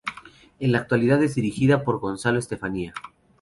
En la actualidad es dirigida por Gonzalo Estefanía.